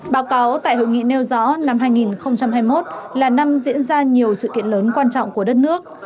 báo cáo tại hội nghị nêu rõ năm hai nghìn hai mươi một là năm diễn ra nhiều sự kiện lớn quan trọng của đất nước